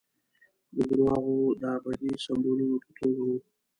د درواغو د ابدي سمبولونو په توګه وو.